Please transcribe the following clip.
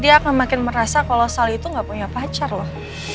dia akan makin merasa kalau sali itu nggak punya pacar loh